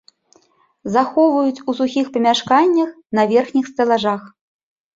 Захоўваюць у сухіх памяшканнях на верхніх стэлажах.